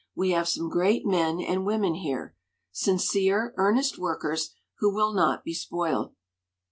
We have some great men and women here, sincere, earnest workers who will not be spoiled."